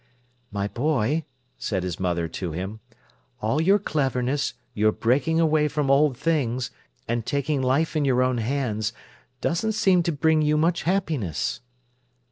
"My boy," said his mother to him, "all your cleverness, your breaking away from old things, and taking life in your own hands, doesn't seem to bring you much happiness."